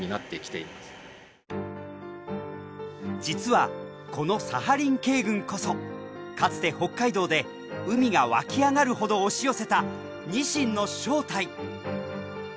実はこのサハリン系群こそかつて北海道で海が沸き上がるほど押し寄せたニシンの正体！